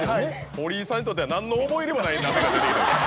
堀井さんにとっては何の思い入れもない鍋が。